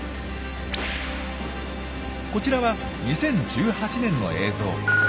こちらは２０１８年の映像。